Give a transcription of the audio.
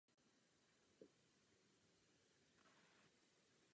Jde o jednolodní stavbu zakončená trojbokým presbytářem se sakristií na severní straně.